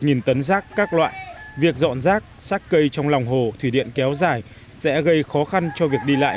nghìn tấn rác các loại việc dọn rác sát cây trong lòng hồ thủy điện kéo dài sẽ gây khó khăn cho việc đi lại